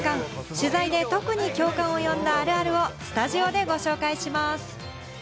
取材で特に共感を呼んだ「あるあスタジオでご紹介します。